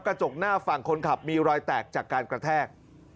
กระจกหน้าฝั่งคนขับมีรอยแตกจากการกระแทก